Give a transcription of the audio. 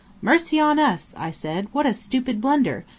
"Mercy on us," I said, "what a stupid blunder!